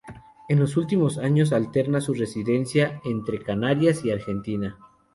En los últimos años alterna su residencia entre Canarias y Argentina.